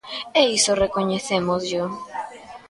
E iso recoñecémosllo.